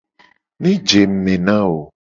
Ne je ngku me na wo.